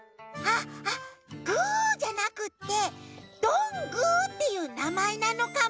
あっぐーじゃなくってどんぐーっていうなまえなのかも。